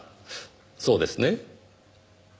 そうですね？